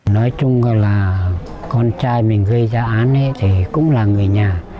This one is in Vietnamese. nói chung là con trai mình gây ra án thì cũng là người nhà